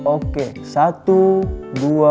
oke satu dua